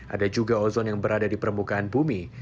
ada juga ozon yang berada di permukaan bumi